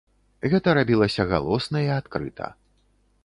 Гэта рабілася галосна і адкрыта.